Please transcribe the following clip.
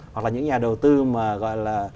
hoặc là những nhà đầu tư mà gọi là